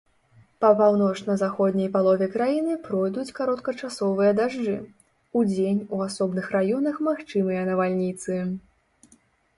Па паўночна-заходняй палове краіны пройдуць кароткачасовыя дажджы, удзень у асобных раёнах магчымыя навальніцы.